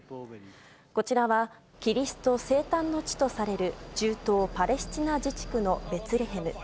こちらはキリスト生誕の地とされる中東パレスチナ自治区のベツレヘム。